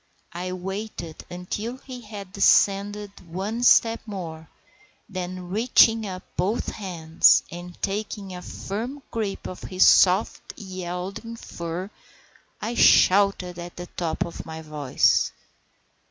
I waited until he had descended one step more, then reaching up both hands, and taking a firm grip of his soft, yielding fur, I shouted at the top of my voice.